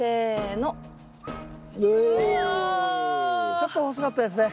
ちょっと細かったですね。